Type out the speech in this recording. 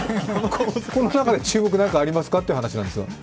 この中で注目、何かありますかって話なんですが。